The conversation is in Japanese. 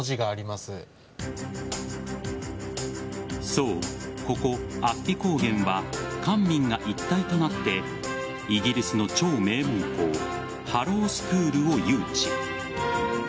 そう、ここ安比高原は官民が一体となってイギリスの超名門校ハロウ・スクールを誘致。